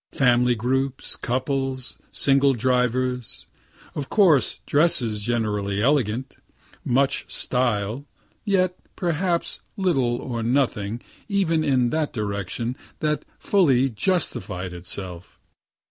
Family groups, couples, single drivers of course dresses generally elegant much "style," (yet perhaps little or nothing, even in that direction, that fully justified itself.)